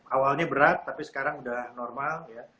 awalnya berat tapi sekarang udah normal ya